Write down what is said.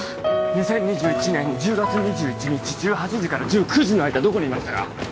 ２０２１年１０月２１日１８時から１９時の間どこにいましたか？